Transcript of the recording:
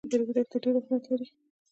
په افغانستان کې د ریګ دښتې ډېر اهمیت لري.